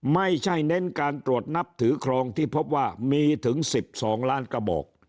ไม่ใช่เน้นการตรวจนับถือครองที่พบว่ามีถึง๑๒ล้านกระบอก